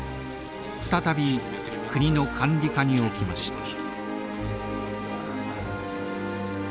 再び国の管理下に置きました。